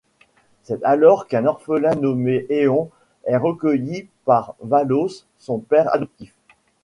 C'est alors qu'un orphelin nommé Eon est recueilli par Valos son père adoptif.